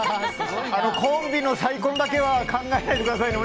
コンビの再婚だけは考えないでくださいね。